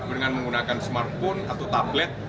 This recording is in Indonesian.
dengan menggunakan smartphone atau tablet